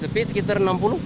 sepi sekitar enam puluh